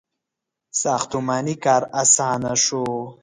• ساختماني کار آسانه شو.